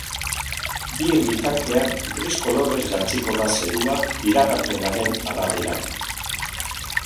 Bien bitartean, gris kolorez jantziko da zerua, iragarpenaren arabera.